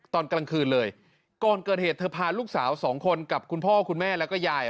ตอนกลางคืนเลยก่อนเกิดเหตุเธอพาลูกสาวสองคนกับคุณพ่อคุณแม่แล้วก็ยาย